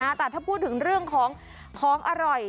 ถ่าถ้าพูดถึงเรื่องของอร่อย